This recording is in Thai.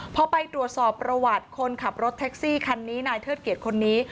พอไปตรวจสอบประวัติคนขับรถแท็กซี่คันนี้นายเทิดเกียรติคนนี้